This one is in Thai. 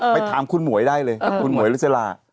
ไปถามคุณหมวยได้เลยคุณหมวยเหรอจริง